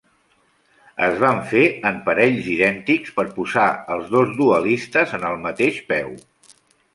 Es van fer en parells idèntics per posar els dos duelistes en el mateix peu.